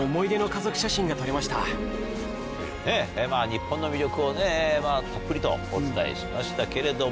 日本の魅力をねたっぷりとお伝えしましたけれども。